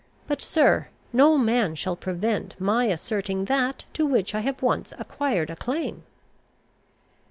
But, sir, no man shall prevent my asserting that to which I have once acquired a claim!"